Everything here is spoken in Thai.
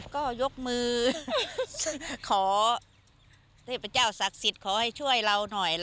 ก็ยกมือขอเทพเจ้าศักดิ์สิทธิ์ขอให้ช่วยเราหน่อย